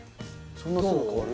そんなすぐ変わる？